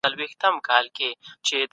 ښکاري ولیده